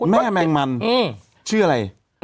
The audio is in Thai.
แมงมันชื่ออะไร